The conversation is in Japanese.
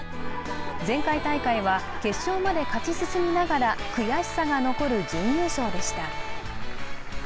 前回大会は、決勝まで勝ち進みながら悔しさが残る準優勝でした。